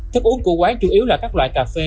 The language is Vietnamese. thức uống của quán chủ yếu là các loại cà phê